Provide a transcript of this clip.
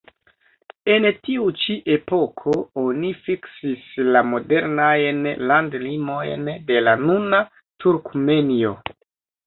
En tiu ĉi epoko oni fiksis la modernajn landlimojn de la nuna Turkmenio.